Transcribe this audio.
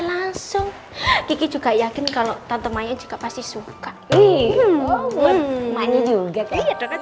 langsung kiki juga yakin kalau tante maya juga pasti suka ih oh umum mana juga kayak doken